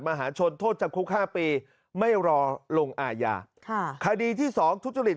มหาชนโทษจำคุกห้าปีไม่รอลงอาญาค่ะคดีที่สองทุจริต